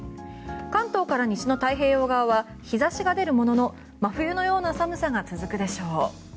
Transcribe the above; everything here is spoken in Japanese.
関東から西の太平洋側は日差しが出るものの真冬のような寒さが続くでしょう。